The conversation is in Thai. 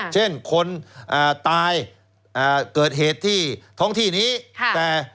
เช่นคนอ่าตายอ่าเกิดเหตุที่ท้องที่นี้ค่ะแต่